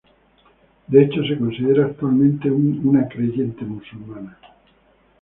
De hecho, se considera actualmente una creyente musulmana.